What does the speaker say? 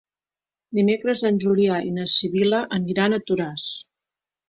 Dimecres en Julià i na Sibil·la aniran a Toràs.